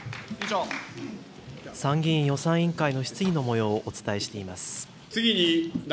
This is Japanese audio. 参議院予算委員会の質疑のもようをお伝えしています。